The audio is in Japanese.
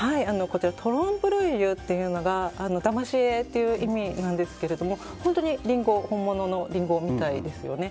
トロンプ・ルイユというのがだまし絵という意味なんですけれども本物のリンゴみたいですよね。